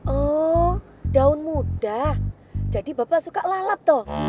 oh daun muda jadi bapak suka lalap tuh